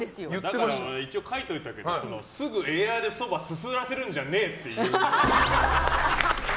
だから一応書いておいたけどすぐエアーでそばすすらせるんじゃねえ！